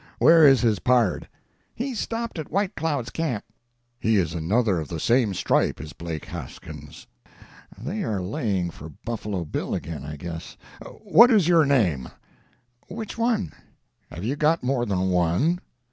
Where is his pard?" "He stopped at White Cloud's camp." "He is another of the same stripe, is Blake Haskins." (Aside.) They are laying for Buffalo Bill again, I guess. (Aloud.) "What is your name?" "Which one?" "Have you got more than one?"